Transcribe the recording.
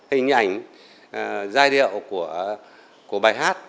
hình ảnh giai điệu của bài hát